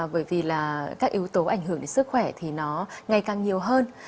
bởi vì là các yếu tố ảnh hưởng đến sức khỏe thì nó ngày càng nhiều hơn